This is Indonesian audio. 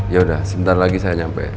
yaudah sebentar lagi saya nyampe